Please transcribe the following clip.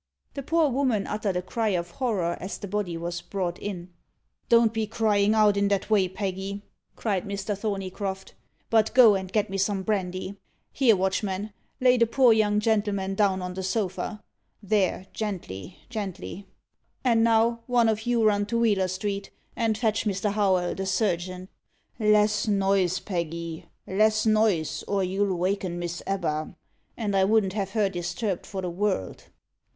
The poor woman uttered a cry of horror as the body was brought in. "Don't be cryin' out in that way, Peggy," cried Mr. Thorneycroft, "but go and get me some brandy. Here, watchmen, lay the poor young gentleman down on the sofa there, gently, gently. And now, one of you run to Wheeler Street, and fetch Mr. Howell, the surgeon. Less noise, Peggy less noise, or you'll waken Miss Ebba, and I wouldn't have her disturbed for the world."